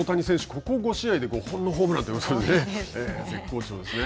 ここ５試合で５本のホームランって絶好調ですね。